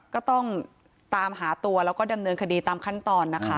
ก็ต้องตามหาตัวแล้วก็ดำเนินคดีตามขั้นตอนนะคะ